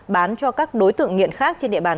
bán cho các đối tượng nghiện khác trên địa bàn